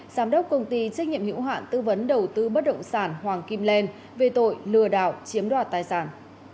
giám đốc công ty trách nhiệm hữu hạn tư vấn đầu tư bất động sản hoàng kim len về tội lừa đảo chiếm đoạt tài sản